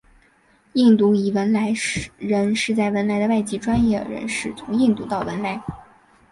印度裔汶莱人是在文莱的外籍专业人士从印度到文莱。